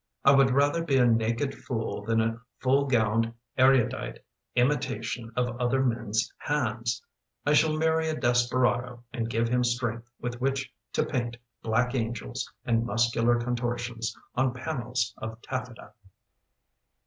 I would rather be a naked fool Than a full gowned erudite Imitation of other mens' hands. I shall marry a desperado And give him strength with which to paint Black angels and muscular contortions On panels of taffeta.